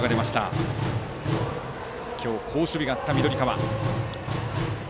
バッターは今日、好守備があった緑川。